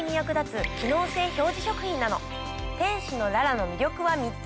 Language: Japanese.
天使のララの魅力は３つ。